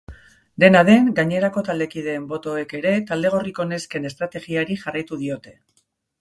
Dena den, gainerako taldekideen botoek ere talde gorriko nesken estrategiari jarraitu diote.